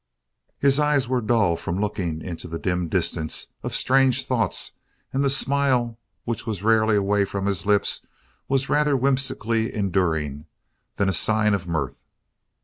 His eyes were dull from looking into the dim distance of strange thoughts, and the smile which was rarely away from his lips was rather whimsically enduring than a sign of mirth.